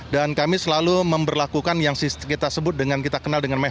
kami selalu memperlakukan yang kita sebut dengan kita kenal dengan metode